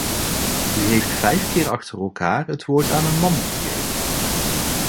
U heeft vijf keer achter elkaar het woord aan een man gegeven.